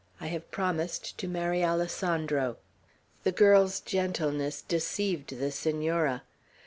I have promised to marry Alessandro." The girl's gentleness deceived the Senora.